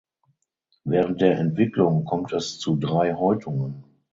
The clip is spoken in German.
Während der Entwicklung kommt es zu drei Häutungen.